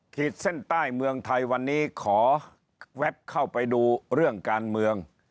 ขีดเส้นใต้เมืองไทยวันนี้ขอแวบเข้าไปดูเรื่องการเมือง